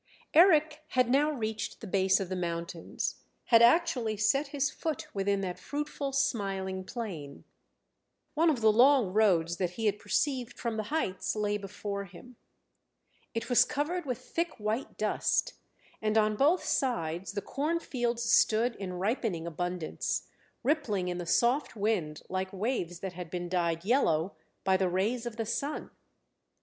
Eric had now reached the base of the mountains, had actually set his foot within that fruitful, smiling plain. One of the long roads that he had perceived from the heights lay before him. It was covered with thick white dust, and on both sides the cornfields stood in ripening abundance, rippling in the soft wind like waves that had been dyed yellow by the rays of the sun.